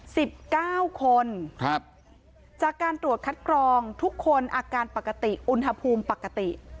สิบเก้าคนครับจากการตรวจคัดกรองทุกคนอาการปกติอุณหภูมิปกติ